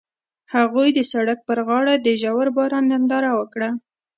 هغوی د سړک پر غاړه د ژور باران ننداره وکړه.